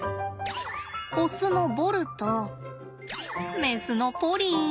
オスのボルとメスのポリー。